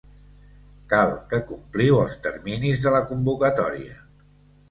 Cal que compliu els terminis de la convocatòria.